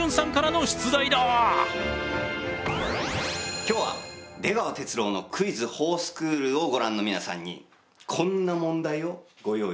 今日は「出川哲朗のクイズほぉスクール」をご覧の皆さんにこんな問題をご用意いたしました。